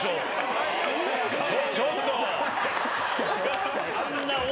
ちょっと。